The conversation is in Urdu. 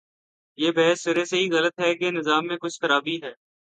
یہ بحث سرے سے ہی غلط ہے کہ نظام میں کچھ خرابی ہے۔